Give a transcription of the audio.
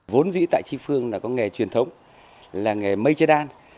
vốn dĩ tại tri phương là có nghề truyền thống là nghề mây che đan